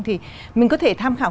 thì mình có thể tham khảo